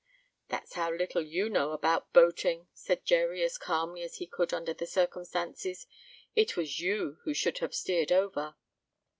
"That's how little you know about boating," said Jerry as calmly as he could under the circumstances. "It was you who should have steered over."